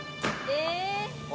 え！